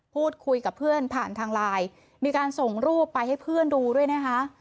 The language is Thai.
พูดคุยกับเพื่อนผ่านทางไลน์มีการส่งรูปไปให้เพื่อนดูด้วยนะคะ